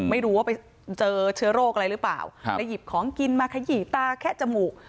ไม่รู้ว่าไปเจอเชื้อโรคอะไรหรือเปล่าจะหยิบของกินมาขยี้ตาแคะจมูก